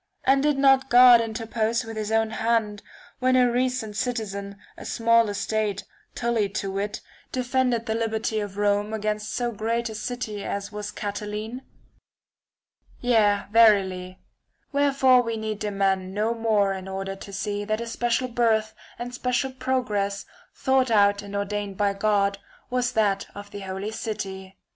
And did not God interpose with his own hand when a recent citizen, of small estate, TuUy to wit, defended VI. THE FOURTH TREATISE 251 the liberty of Rome against so great a citizen as Rever was Catiline ? Yea, verily. Wherefore we ®ce for need demand no more in order to see that a °'"® special birth and special progress, thought out and ordained by God, was that of the holy city.